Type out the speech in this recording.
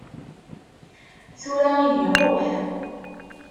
Tura ihi ṛuḥ!